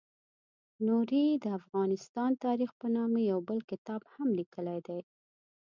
نوري د افغانستان تاریخ په نامه یو بل کتاب هم لیکلی دی.